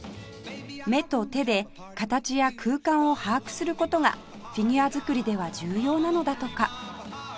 目と手で形や空間を把握する事がフィギュア作りでは重要なのだとか